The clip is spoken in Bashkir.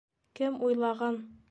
Кем уйлаған.